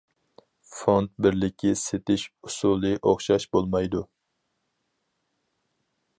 فوند بىرلىكى سېتىش ئۇسۇلى ئوخشاش بولمايدۇ.